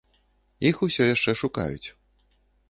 Іх усё яшчэ шукаюць.